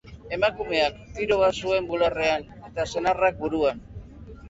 Emakumeak tiro bat zuen bularrean, eta senarrak buruan.